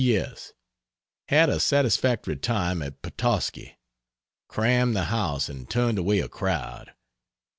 P. S. Had a satisfactory time at Petoskey. Crammed the house and turned away a crowd.